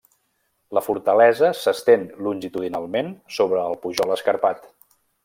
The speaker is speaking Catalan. La fortalesa s'estén longitudinalment sobre el pujol escarpat.